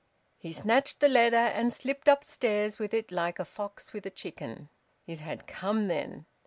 He snatched the letter and slipped upstairs with it like a fox with a chicken. It had come, then!